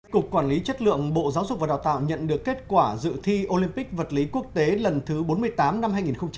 cục quản lý chất lượng bộ giáo dục và đào tạo nhận được kết quả dự thi olympic vật lý quốc tế lần thứ bốn mươi tám năm hai nghìn hai mươi